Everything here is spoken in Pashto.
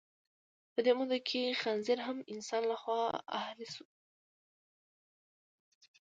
په دې موده کې خنزیر هم د انسان لخوا اهلي شو.